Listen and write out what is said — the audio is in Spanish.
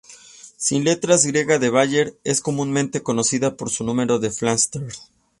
Sin letra griega de Bayer, es comúnmente conocida por su número de Flamsteed.